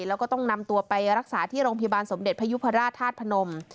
แล้วก็ต้องนำตัวไปรักษาที่โรงพยาบาลสมเด็จพยุพราชธาตุพนม